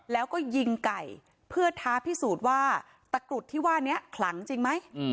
แล้วก็ยิงไก่เพื่อท้าพิสูจน์ว่าตะกรุดที่ว่านี้ขลังจริงไหม